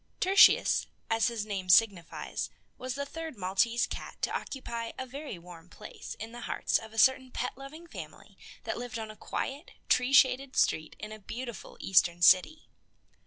Tertius, as his name signifies, was the third Maltese cat to occupy a very warm place in the hearts of a certain pet loving family that lived on a quiet, tree shaded street in a beautiful Eastern city.